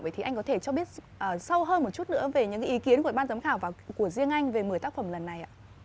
vậy thì anh có thể cho biết sau hơn một chút nữa về những ý kiến của ban giám khảo của riêng anh về một mươi tác phẩm lần này ạ